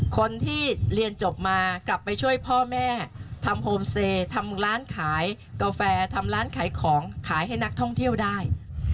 คนที่เรียนจบมากลับไปช่วยพ่อแม่ทำโฮมเซทำร้านขายกาแฟทำร้านขายของขายให้นักท่องเที่ยวได้